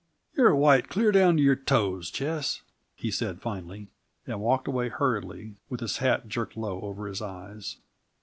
You're white clear down to your toes, Ches," he said finally, and walked away hurriedly with his hat jerked low over his eyes.